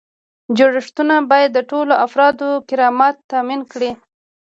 جوړښتونه باید د ټولو افرادو کرامت تامین کړي.